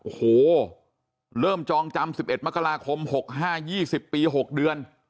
โอ้โหเริ่มจองจำสิบเอ็ดมะกะลาคมหกห้ายี่สิบปีหกเดือน